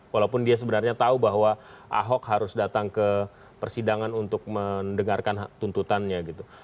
walaupun dia sebenarnya tahu bahwa ahok harus datang ke persidangan untuk mendengarkan tuntutannya gitu